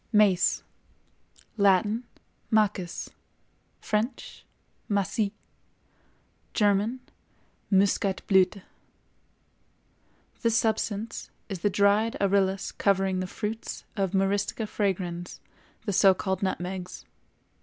MACE. Latin—Macis; French—Macis; German—Muscatblüthe. This substance is the dried arillus covering the fruits of Myristica fragrans, the so called nutmegs.